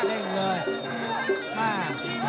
เล่นเลยห้า